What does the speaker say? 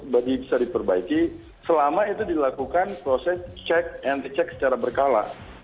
bisa diperbaiki selama itu dilakukan proses check and check secara berkala